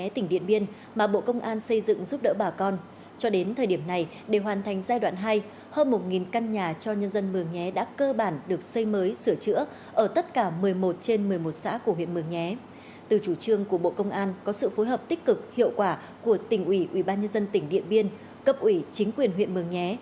từ chủ trương của bộ công an có sự phối hợp tích cực hiệu quả của tỉnh ủy ubnd tỉnh điện biên cấp ủy chính quyền huyện mường nhé